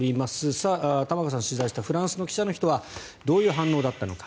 さあ、玉川さんが取材したフランスの記者の人はどういう反応だったのか。